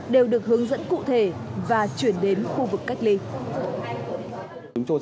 đều được hướng dẫn cụ thể và chuyển đến khu vực cách ly